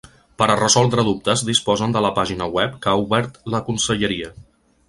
Per a resoldre dubtes disposen de la pàgina web que ha obert la conselleria.